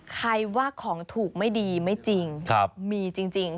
ใครว่าของถูกไม่ดีไม่จริงมีจริง